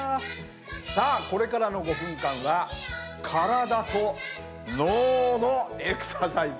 さあこれからの５分間は体と脳のエクササイズ。